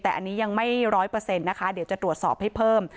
แต่อันนี้ยังไม่๑๐๐เดี๋ยวจะตรวจสอบให้เพิ่ม